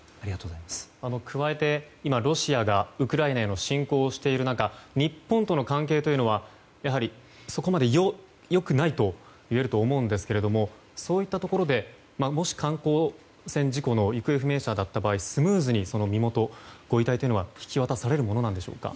加えてロシアがウクライナへの侵攻をしている中日本との関係というのはやはり、そこまで良くないといえると思うんですけれどもそういったところでもし観光船事故の行方不明者だった場合スムーズに身元ご遺体というのは引き渡されるものでしょうか。